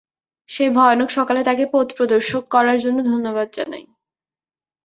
সেই ভয়ানক সকালে তাকে পথপ্রদর্শক করার জন্য ধন্যবাদ জানাই।